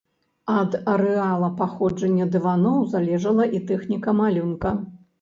Ад арэала паходжання дываноў залежала і тэхніка малюнка.